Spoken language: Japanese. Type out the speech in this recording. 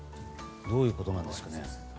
どういうことなんでしょうね。